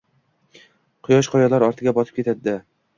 Quyosh qoyalar ortiga botib ketdi.